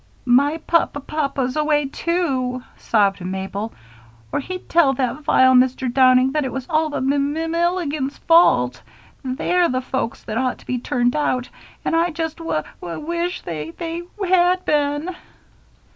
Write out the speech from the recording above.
"My pa pa papa's away, too," sobbed Mabel, "or he'd tell that vile Mr. Downing that it was all the Mill ill igans' fault. They're the folks that ought to be turned out, and I just wuh wuh wish they they had been."